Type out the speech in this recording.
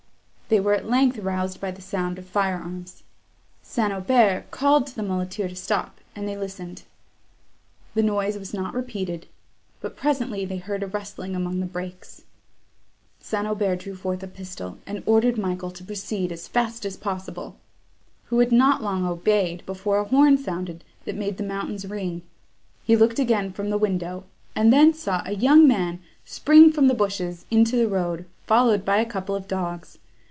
They were at length roused by the sound of fire arms. St. Aubert called to the muleteer to stop, and they listened. The noise was not repeated; but presently they heard a rustling among the brakes. St. Aubert drew forth a pistol, and ordered Michael to proceed as fast as possible; who had not long obeyed, before a horn sounded, that made the mountains ring. He looked again from the window, and then saw a young man spring from the bushes into the road, followed by a couple of dogs.